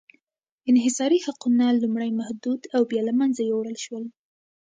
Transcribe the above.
انحصاري حقونه لومړی محدود او بیا له منځه یووړل شول.